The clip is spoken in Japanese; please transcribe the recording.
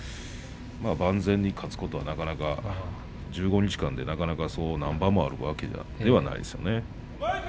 万全に勝つことはなかなか１５日間で何番もあるわけではないですね。